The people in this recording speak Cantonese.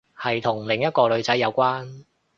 係同另一個女仔有關